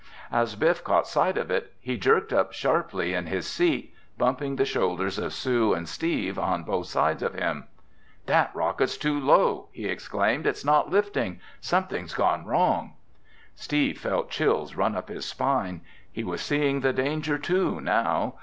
As Biff caught sight of it, he jerked up sharply in his seat, bumping the shoulders of Sue and Steve on both sides of him. "That rocket's too low!" he exclaimed. "It's not lifting! Something's gone wrong!" Steve felt chills run up his spine. He was seeing the danger too, now.